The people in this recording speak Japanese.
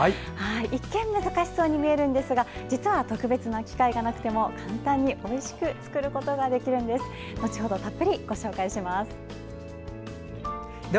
一見難しそうに見えるんですが実は特別な機械がなくても簡単においしく作ることができるんです。